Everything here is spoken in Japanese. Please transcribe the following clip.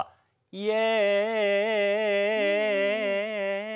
「イエ」。